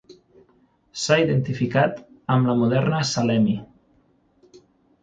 S'ha identificat amb la moderna Salemi.